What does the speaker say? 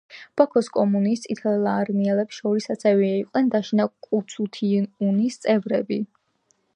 ბაქოს კომუნის წითელარმიელებს შორის ასევე იყვნენ დაშნაკცუთიუნის წევრები.